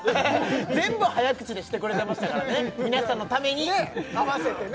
全部早口でしてくれてましたから皆さんのためにねっ合わせてね